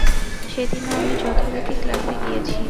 সেদিনও আমি যথারীতি ক্লাসে গিয়েছি।